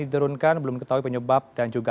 diturunkan belum ketahui penyebab dan juga